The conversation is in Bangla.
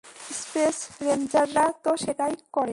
স্পেস রেঞ্জাররা তো সেটাই করে।